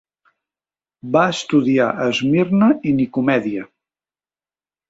Va estudiar a Esmirna i Nicomèdia.